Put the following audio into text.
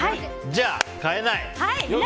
じゃあ、変えない！